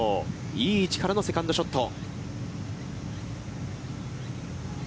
いい位置からのセカンドショット。